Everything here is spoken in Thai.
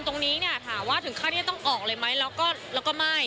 ตรงนี้ถามว่าถึงข้างนี้ต้องออกเลยไหมเราก็ไม่